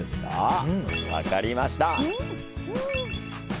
分かりました！